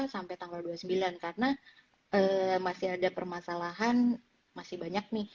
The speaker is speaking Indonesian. sampai tanggal dua puluh sembilan karena masih ada permasalahan masih banyak nih